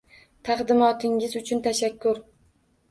Taqdimotingiz uchun tashakkur.